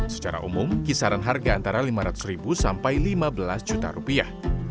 secara umum kisaran harga antara lima ratus ribu sampai lima belas juta rupiah